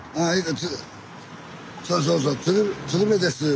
そうそうそう鶴瓶です。